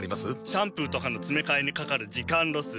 シャンプーとかのつめかえにかかる時間ロス。